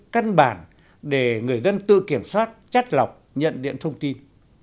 cân bản để người dân tư kiểm soát chắc lọc nhận điện thông tin